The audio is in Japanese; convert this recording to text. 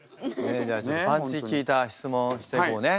じゃあパンチ効いた質問をしていこうね